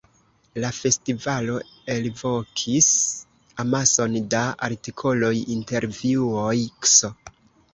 La festivalo elvokis amason da artikoloj, intervjuoj ks.